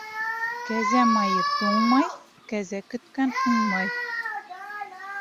Кәзә майы туң май, Кәзә көткән уңмай.